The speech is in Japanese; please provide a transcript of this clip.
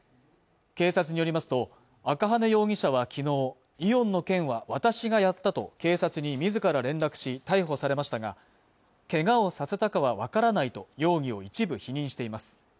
警察によりますと赤羽容疑者は昨日イオンの件は私がやったと警察に自ら連絡し逮捕されましたが怪我をさせたかはわからないと容疑を一部否認しています